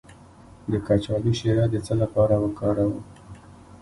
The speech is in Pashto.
د کچالو شیره د څه لپاره وکاروم؟